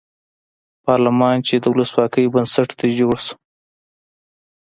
پارلمان چې د ولسواکۍ بنسټ دی جوړ شو.